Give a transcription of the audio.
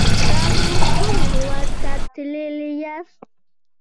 تاسو کوم هیواد ته تللی یاست؟